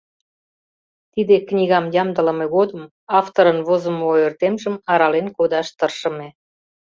Тиде книгам ямдылыме годым авторын возымо ойыртемжым арален кодаш тыршыме.